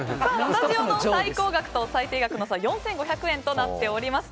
スタジオの最高額と最低額の差は４５００円となっております。